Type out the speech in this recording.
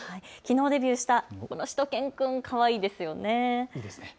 きのうデビューしたしゅと犬くん、かわいいですよね。